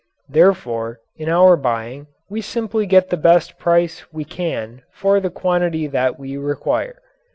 Therefore in our buying we simply get the best price we can for the quantity that we require.